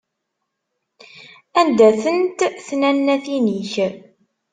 Anda-tent tnannatin-ik?